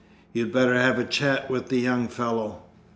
"You'd better have a chat with the young fellow."